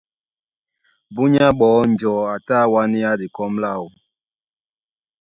Búnyá ɓɔɔ́ njɔ̌ a tá á wánéá dikɔ́m láō.